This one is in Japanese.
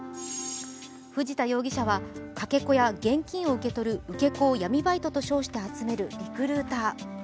藤田容疑者、かけ子や現金を受け取る受け子を闇バイトと称して集めるリクルーター。